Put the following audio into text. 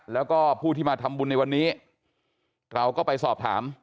แล้วก็ผู้ที่มาทำบุญในวันนี้เราก็ไปสอบถาม